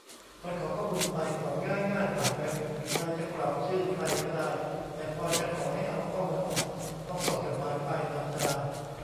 ตอนขอข้อมูลไป ของ๊ายง่ายผ่านเว็บ ใครจะกรอกชื่อใครก็ได้ แต่พอจะขอให้เอาข้อมูลออก ต้องส่งจดหมายไปนาจา